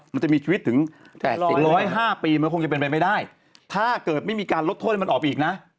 มันจะมีชีวิตถึง๘๐๕ปีมันคงจะเป็นไปไม่ได้ถ้าเกิดไม่มีการลดโทษให้มันออกอีกนะ